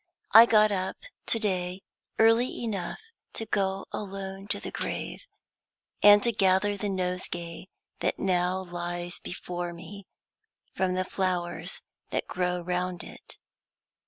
I got up to day early enough to go alone to the grave, and to gather the nosegay that now lies before me from the flowers that grow round it.